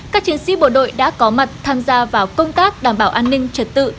các chiến sĩ bộ đội đã có mặt tham gia vào công tác đảm bảo an ninh trật tự